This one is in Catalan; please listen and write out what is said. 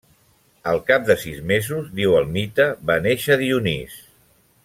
Al cap de sis mesos, diu el mite, va néixer Dionís.